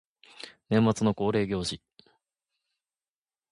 年末の恒例行事